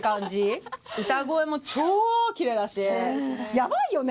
やばいよね！？